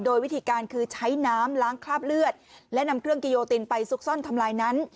โดยวิธีการคือใช้น้ำล้างคราบเลือดและนำเครื่องกิโยตินไปซุกซ่อนทำลายนั้น